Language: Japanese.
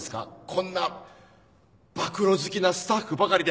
こんな暴露好きなスタッフばかりで。